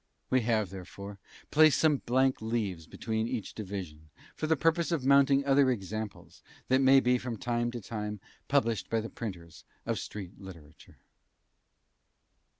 We have, therefore, placed some blank leaves between each division, for the purpose of mounting other examples that may be from time to time published by the printers of Street Literature.